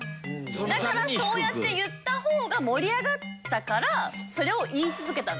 だからそうやって言った方が盛り上がったからそれを言い続けたんです。